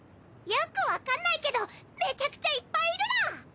よくわかんないけどめちゃくちゃいっぱいいるら！